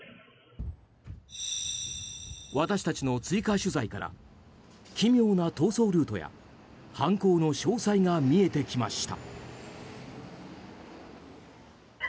私たちの追加取材から奇妙な逃走ルートや犯行の詳細が見えてきました。